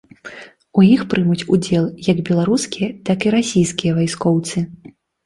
У іх прымуць удзел як беларускія, так і расійскія вайскоўцы.